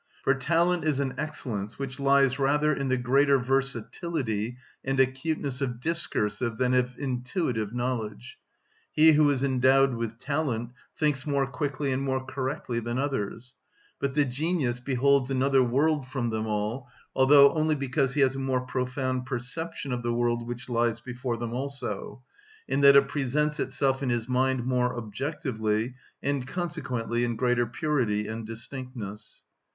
For talent is an excellence which lies rather in the greater versatility and acuteness of discursive than of intuitive knowledge. He who is endowed with talent thinks more quickly and more correctly than others; but the genius beholds another world from them all, although only because he has a more profound perception of the world which lies before them also, in that it presents itself in his mind more objectively, and consequently in greater purity and distinctness.